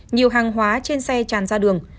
nhiều hàng hóa trên xe tràn ra đường